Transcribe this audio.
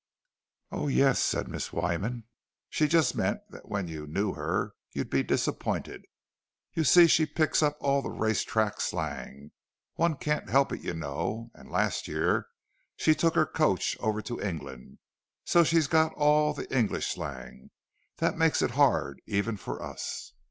"Oh, yes," said Miss Wyman. "She just meant that when you knew her, you'd be disappointed. You see, she picks up all the race track slang—one can't help it, you know. And last year she took her coach over to England, and so she's got all the English slang. That makes it hard, even for us."